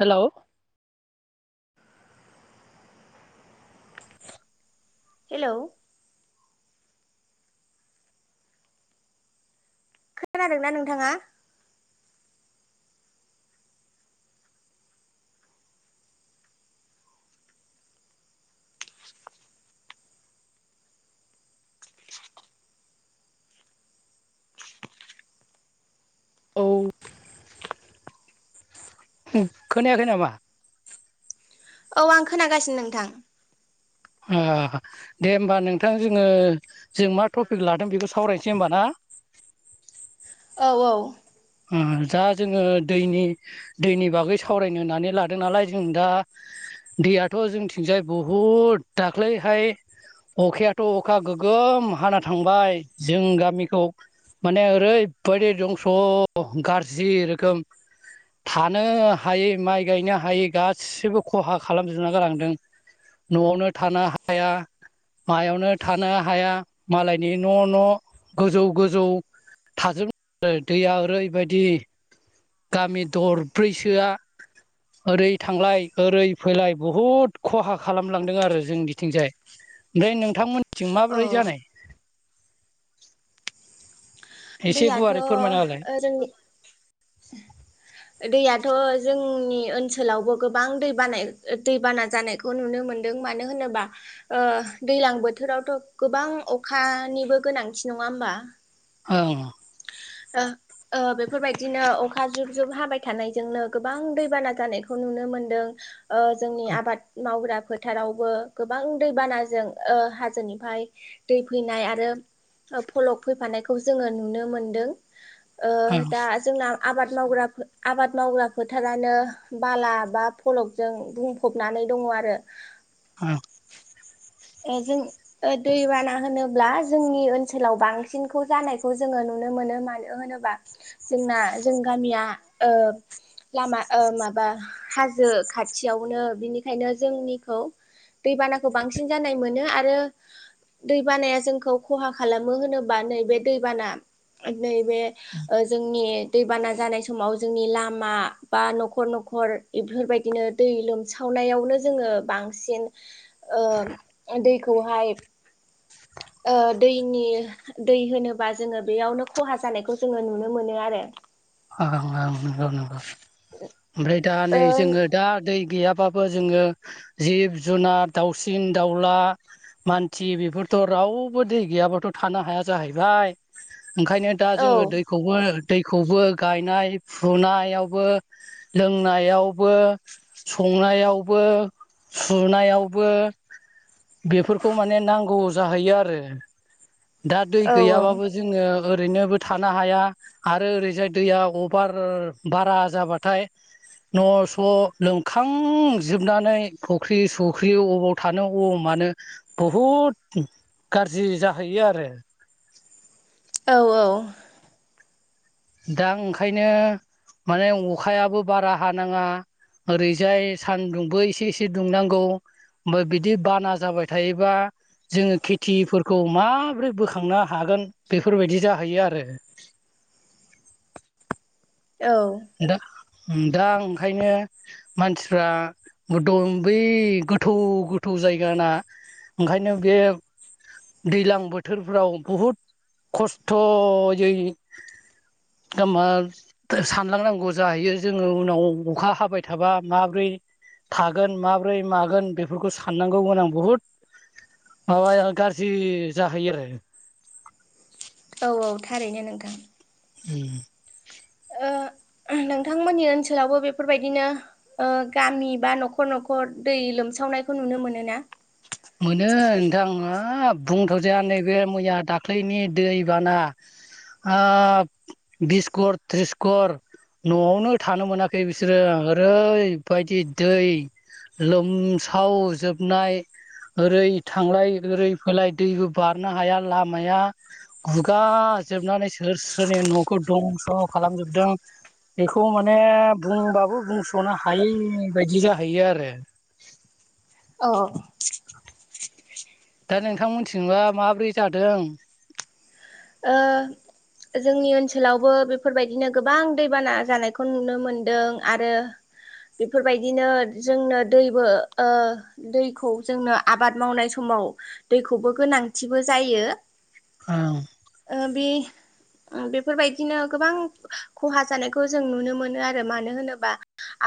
Hello hello खोनादोंना नोंथाङा औ खोनायाखै नामा औ आं खोनागासिनो नोंथां दे होमबा नोंथां जोङो जों मा टपिक लादों बेखौ सावरायनोसै होमबा ना [inaudible] औ औ उम दा जोङो दैनि दैनि बागै सावरायनो होननानै लादों नालाय जों दा दैयाथ' जोंथिंजाय बहुद दाख्लैहाय अखायाथ' अखा गोगोम हाना थांबाय जों गामिखौ माने ओरैबायदि दंस' गज्रि रोखोम थानो हायै माइ गायनो हायै गाससिबो खहा खालामजोबना गालांदों न'आवनो थानो हाया। मायावनो थानो हाया मालायनि न' न' गोजौ गोजौ थाजोबन आरो दैया ओरैबायदि। गामि दरब्रैसोआ ओरै थांलाय ओरै फैलाय बुहुद खहा खालामलांदों आरो जों बिथिंजाय। ओमफ्राय नोंथांमोननिथिं अ माबोरै जानाय। एसे दैयाथ' गुवारै फोरमायनाहोलाय। जोंनि त जोंनि ओनसोलावबो गोबां दैबाना ओ दैबाना जानायखौ नुनो मोनदों मानो होनो बा ओ दैज्लां बोथोरावथ' गोबां अखानिबो गोनांथि नङा होमबा? औ ओ बेफोरबायदिनो अखा जुब जुब हाबाय थानायजोंनो गोबां दैबाना जानायखौ नु नो मोनदों जनि आबाद मावग्रा फोथारावबो गोबां दैबानाजों ओ हाजोनिफ्राय दै फैनाय आरो। फलक फैफानायखौ जोङो नुनो मोनदों ओं दा जोंना आबाद आ माव आबाद मावग्रा फोथारानो बाला बा फलकजों बुंफबनानै दङ। आरो औ। जों ओ दैबाना होनोब्ला जोंनि ओनसोलाव बांसिनखौ जानायखौ जोङो नुनो मोनो मानो होनोबा जोंना जों गामिया ओ लामा माबा हाजो खाथियावनो बिनिखायनो जोंनिखौ दैबानाखौ बां नाय मोनो आरो दैबानाया जोंखौ खहा खालामो होनोबा नैबे दैबाना नै बे ओ जोंनि दैबाना जानाय समाव जोंनि लामा बा न'खर न'खर इफोरबायदिनो दै लोमसावनाय नायावनो जोङो बांसिन ओ दैखौहाय ओ दैनि दै होनोबा जोङो बेयावनो खहा जानायखौ जोङो नुनो मोनो आरो। [inaudible] ओं ओं नंगौ नंगौ ओमफ्राय दा नै जोङो ओ दा दै गैयाबाबो जोङो जिब जुनार दाउसिन दाउला मानसि बेफोर थ' रावबो दै गैयाबाथ' थानो हाया जाहैबाय। ओंखायनो दा जोङो दैखौबो दैखौबो गायनाय फुनायावबो लोंनायावबो संनायावबो बो फुनायावबो बेफोरखौ माने नांगौ जाहैयो आरो। दा दै औ गैयाबाबो जोङो ओरैनोबो थानो हाया आरो ओरैजाय। दैया अभार बारा जाबाथाय। न' स' लोमखांजोबनानै फुख्रि सुख्रि अबाव थानो अबाव मानो बुहुद गाज्रि जाहैयो आरो। औ औ। दा ओंखायनो माने अखायाबो बारा हानाङा ओरैजाय सानदुंबो एसे एसे दुंनांगौ। ओमफ्राय बिदि बाना जाबाय थायोबा जोङो खेथिफोरखौ माबोरै बोखांनो हागोन बेफोरबायदि जाहैयो आरो। [inaudible] औ दा दा ओंखायनो मानसिफ्रा बै गोथौ गोथौ जायगा ना ओंखायनो बे दैज्लां बोथोरफ्राव बहुद खस्थ'यै दामा सान जालांनांगौ जाहैयो जोङो उनाव अखा हाबाय थाबा माब्रै थागोन माब्रै मागोन बेफोरखौ साननांगौमोन आं बुहुद माबाया गारजि जाहोयो औ औ थारैनो नोंथां उ ओ नोंथांमोननि ओनसोलावबो बेफोरबायदिनो गामि बा न'खर न'खर दै लोमसावनाय यखौ नुनो मोनो ना? मोनो नोंथां आं हाब बुंथ'जाया नैबे मैया दाख्लैनि दैबाना ओ बिसकर त्रिसकर न'आवनो थानो मोनाखै बिसोरो ओरैबायदि दै लोमसाव जोबनाय ओरै थांलाय ओरै फैलाय दैबो बारनो हाया लामाया गुगा म जोबनानै सोर सोरनि न'खौ दंस' खालामजोबदों। बेखौ माने बुंबाबो बुंस'नो हायै बायदि जाहैयो आरो। [inaudible] दा नोंथांमोनथिंबा माब्रै जादों। ओ। जोंनि ओनसोलावबो बेफोरबायदिनो गोबां दैबाना जानायखौ नुनो मोनदों आरो। बेफोरबायदिनो जोंनो दैबो दैखौ जोंनो आबाद मावनाय समाव औ दैखौबो गोनांथिबो जायो। औ। बे बेफोरबायदिनो गोबां खहा जानायखौ जों नुनो मोनो आरो मानो होनोबा।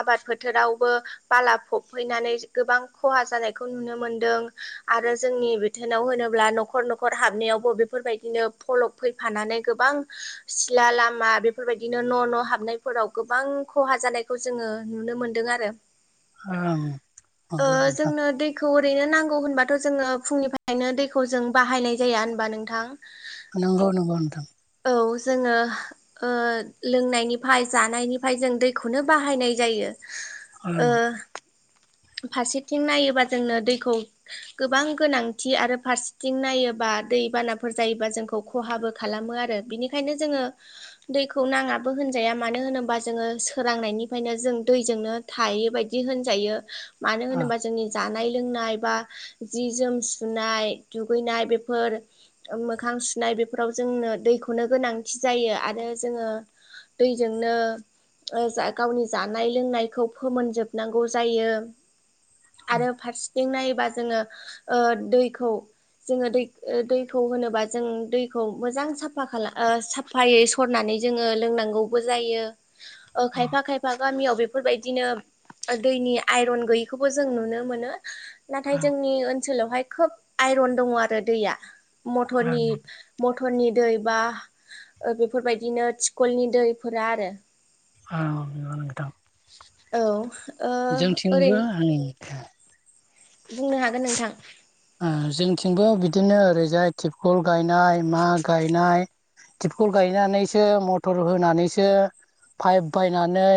आबाद फोथोरावबो बाला फबहैनानै गोबां खहा जानायखौ नुनो मोनदों आरो जोंनि बिथोरोनाव होनोब्ला न'खर न'खर हाबनायावबो बेफोरबायदिनो फलक फैफानानै गोबां सिला लामा बेफोरबायदिनो न' न' हाबनायफोराव गोबां खहा जानायखौ जोङो नुनो मोनदों आरो ओ जोंनो दैखौ [inaudible] ओरैनो नांगौ होनबाथ' जोङो फुंनिफ्रायनो दैखौ जों बाहायनाय जाया होनबा नोंथां। नोंगौ नंगौ नोंथां औ जोङो लोंनायनिफ्राय जानायनिफ्राय जों दैखौनो बाहायनाय जायो। ओं ओ फारसेथिं नायोबा जोंनो दैखौ गोबां गोनांथि आरो फारसेथिं नायोब्ला दै बानाफोर जायोबा जों खो खालामो आरो बिनिखायनो जोङ दैखौ नाङाबो होनजाया मानो होनोबा जोङो सोरांनायनिफ्रायनो जों दैजोंनो थायै बायदि होनजायो। मानो ओं होनोबा जोंनि जानाय नाय बा जि जोम सुनाय दुगैनाय बेफोर मोखां सुनाय बेफोराव जोंनो दैखौनो गोनांथि जायो आरो जोङो दैजोंनो जा गावनि जानाय लोंनायखौ फोमोनजोबनांगौ जायो। आरो फारसेथिं नायोबा जोङो दैखौ जोङो दै दैखौ होनोबा जों दैखौ मोजां साफा खालाम साफायै सरनानै जोङो लोंनांगौबो जायो खायफा खायफा गामियाव बेफोरबायदिनो दैनि आइरन गैयैखौबो जों नुनो मोनो नाथाय ओं जोंनि ओनसोलावहाय खोब आइरन दङ आरो दैया मरनि ओं मटरनि दै बा बेफोरबायदिनो थिखलनि दैफोरा आरो औानोग दा औ ओ जोंथिंबो ओरैनो आंनि बुंनो हागोन नोंथां। ओ जोंथिंबो बिदिनो ओरैजाय तिबखल गायनाय मा गायनाय। तिपखल गायनानैसो मटर होनानैसो पाइप बायनानै।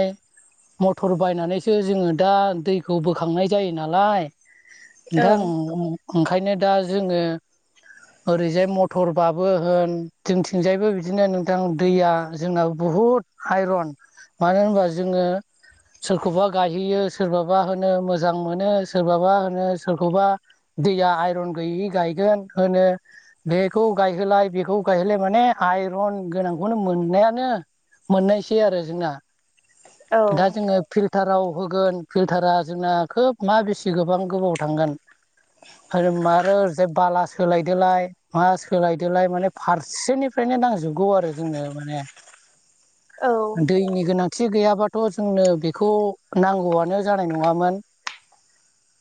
मटर बायनानैसो जोङो दा दैखौ बोखांनाय जायो नालाय। औ नोंथां ओं-ओंखायनो दा जोङो। ओरैजाय मथरबाबो होन जोंथिंजायबो बिदिनो नोंथां दैया जोंनाबु बुहुद आइरन मानो होनबा जोङो। सोरखौबा गायहैयो सोरबाबा होनो मोजां मोनो सोरबाबा होनो सोरखौबा। दैया आइरन गैयि गायगोन होनो बेखौ गायहोलाय बेखौ गायहोलाय मानेआइ आइरन गोनां औ दा जोङो फिल्टाराव होगोन फिलटारा जोंना खोब मा बेसे गोबां गोबाव थांगोन। आरो मरोर जे बाला सोलायदोलाय मा सोलायदोलाय माने फारसेनिफ्रायनो नांजोबगौ आरो जोंनो माने औ दैनि गोनांथि गैयाबा थ' जोंनो बेखौ नांगौआनो जानाय नङामोन।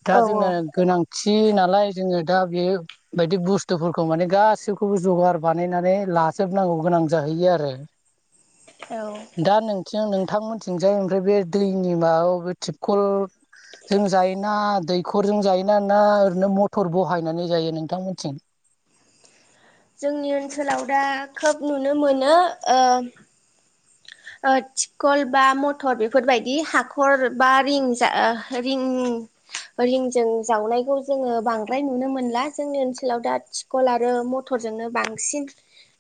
दा औ जोंनो गोनां। थि नालाय जोङो दा बे बायदि बुसतुफोरखौ माने गासैखौबो जगार बानायनानै। लाजोबनांगौ गोनां जाहैयो आरो औ दा नोंथिं-नोंथांमोन जोंजाय ओमफ्राय बे दैनि माबा माबि थिपखल जों जायोना दैखरजों जायोना ना ओरैनो मथर बहायनानै जायो नोंथांमोनसिम। [unintelligible] जोंनि ओनसोलाव दा खोब नुनो मोनो ओम [unintelligible] ओ थिखल बा मथर बेफोरबायदि हाखर बा रिंजा-रिं रिंजों जावनायखौ जोङो बांद्राय नुनो मोनला जोंनि ओनसोलाव दा थिकल आरो मथर जोंनो बांसिन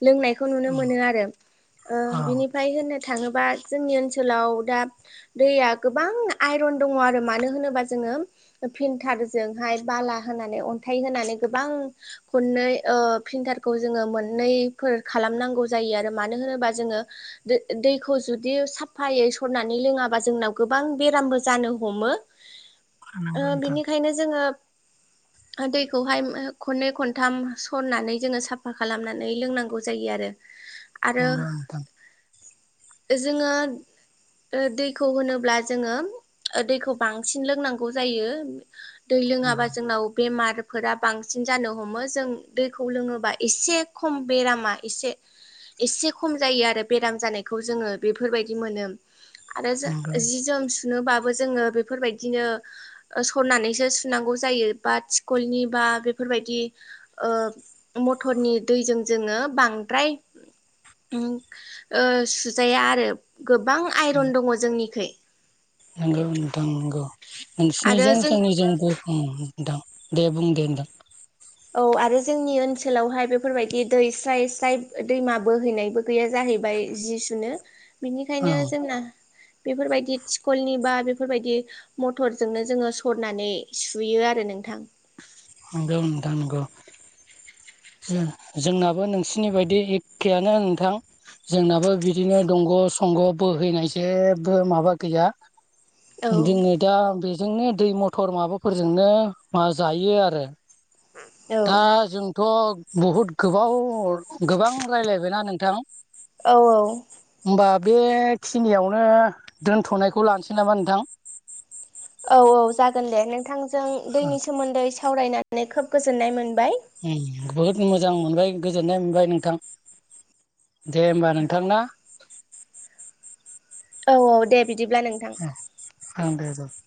लोंनायखौ नुनोमोननो आरो ओ औ बेनि थांङोबा जोंनि ओनसोलाव दा दैया गोबां आइरन दङ आरो मानो होनोबा जों जोंङो फिनथारजों हाय बाला होनानै अन्थ होनानै गोबां खननै ओ ओ फिनथारखौ जोङो मोननैफोर खालामनांगौ जायो आरो मानो होनोबा जोङो। दै-दैखौ जुदि साफायै सरनानै लोङाबा जोंनाव गोबां बेरामबो जानो हमो। नंगौ ओ नोंथां बिनिखायनो जोङो। [unintelligible] हा दैखौहाय खननै खनथाम सरनानै जोङो साफा खालामनानै लोंनांगौ जायो आरो। आरो नंगौ नोंथां। जोङो ओ दैखौ होनोब्ला जोङो दैखौ बांसिन लोंनांगौ जायो। दै नंगौ लोङाबा जोंनाव बेमार फोरा बांसिन जानो हमो जों दैखौ लोङोबा एसे खम बेरामा एसे एसे खम जायो आरो बेराम जानायखौ जों बेफोरबायदि मोननो आरो जों नंगौ जि-जोम सु नो बाबो जोङो बेफोरबायदिनो सरनानैसो सुनांगौ जायो बात इशकुलनि बा आ बेफोरबायदि ओ मथरनि दैजों जोङो बांद्राय उम ओ सुजाया आरो गोबां आइरन दङ जोंनिखैय नंगौ नोंथां नंगौ आरो नोंसिनिजों जों जोंनिजों गर ओम नोंथां दे बुं दे नोंथां। औ आरो जोंनि ओनसोलावहाय बेफोरबायदि दै स्राय स्राय दैमा बोहैनायबो गैया जाहै हैबाय जि सुनो औ बिनिखायनो जोंना बेफोरबायदि थिखलनि बा बेफोरबायदि मथरजोंनो जोङो सरनानै सुयो आरो नों थां। दा नंगौ। जों-जोंनाबो नोंसिनि बायदि एखेयानो नोंथां। जोंनाबो बिदिनो दंग' संग' बोहैनाय जेबो माबा गैया औ जों दा जोंनो दै मथर माबाफोरजोंनो मा जायो आरो औ दा जोंथ' बहुद गोबाव गोबां रायलायबायना नोंथां। औ औ होमबा बेखिनियावनो दोनथ'नायखौ लानोसै नामा नोंथां। औ औ जागोन दे नोंथांजों दैनि सोमोन्दै सावरायनानै खोब गोजोननाय मोनबाय उम बहुद मोजां मोनबाय गोजोननाय मोनबाय नोंथां। दे होमबा नोंथांना औ औ दे बिदिब्ला नोंथां [unintelligible]